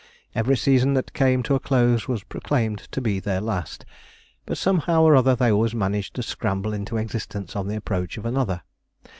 Every season that came to a close was proclaimed to be their last, but somehow or other they always managed to scramble into existence on the approach of another.